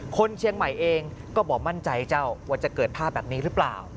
คนเชียงใหม่เองก็บอกมั่นใจเจ้าว่าจะเกิดภาพแบบนี้หรือเปล่า